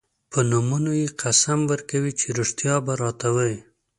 په نومونو یې قسم ورکوي چې رښتیا به راته وايي.